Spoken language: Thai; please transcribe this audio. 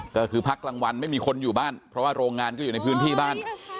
ก็คือพักกลางวันไม่มีคนอยู่บ้านเพราะว่าโรงงานก็อยู่ในพื้นที่บ้าน